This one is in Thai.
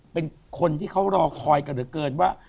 เป็นคนที่เขารอคอยกันเหลือเกินว่า